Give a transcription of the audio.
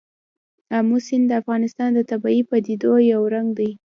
آمو سیند د افغانستان د طبیعي پدیدو یو رنګ دی.